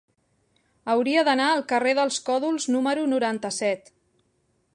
Hauria d'anar al carrer dels Còdols número noranta-set.